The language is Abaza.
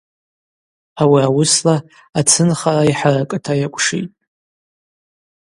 Ауи ауысла ацынхара йхӏаракӏыта йакӏвшитӏ.